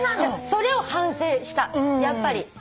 それを反省したやっぱり。